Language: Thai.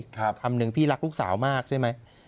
คำหนึ่งพี่รักลูกสาวมากใช่ไหม